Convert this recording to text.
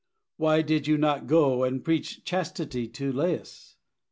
Why did not you go and preach chastity to Lais?